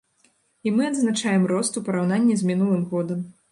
І мы адзначаем рост у параўнанні з мінулым годам.